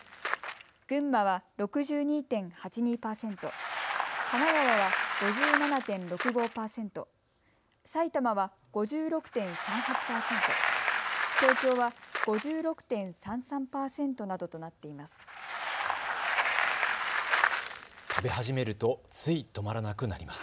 群馬は６２．８２％、神奈川は５７．６５％、埼玉は５６．３８％、東京は５６．３３％などとなっています。